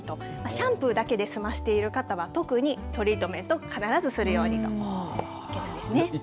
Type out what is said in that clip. シャンプーだけで済ましている方は特にトリートメント必ずするようにと言いますね。